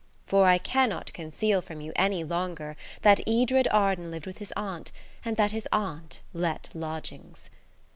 For I cannot conceal from you any longer that Edred Arden lived with his aunt, and that his aunt let lodgings.